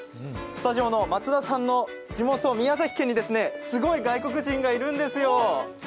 スタジオの松田さんの地元・宮崎県にすごい外国人がいるんですよ。